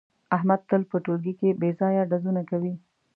احمد تل په ټولگي کې بې ځایه ډزونه کوي.